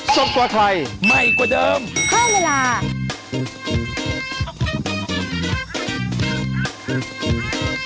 สวัสดีครับทุกคน